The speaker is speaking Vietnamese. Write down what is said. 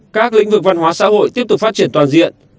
các lĩnh vực văn hóa xã hội tiếp tục phát triển toàn diện